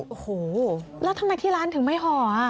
โอ้โหแล้วทำไมที่ร้านถึงไม่ห่อ